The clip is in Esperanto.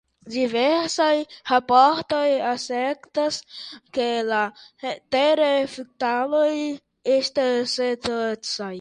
Diversaj raportoj asertas ke la tereftalatoj estas ĉetoksaj.